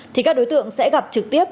thì các đối tượng sẽ gặp trực tiếp